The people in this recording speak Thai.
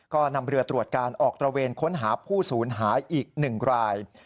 ก็นำเรือตรวจการออกตระเวนค้นหาผู้สูญหายอีก๑ราย